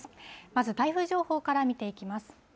まず、台風情報から見ていきます。